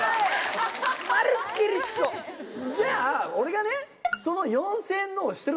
じゃあ俺がねその。